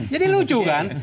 jadi lucu kan